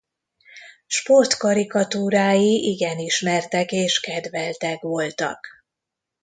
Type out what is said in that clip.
Sport karikatúrái igen ismertek és kedveltek voltak.